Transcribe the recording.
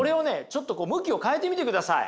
ちょっと向きを変えてみてください。